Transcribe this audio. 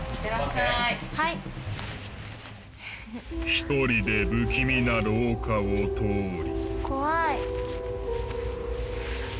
一人で不気味な廊下を通り。